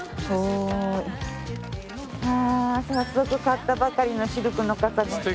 早速買ったばかりのシルクの傘。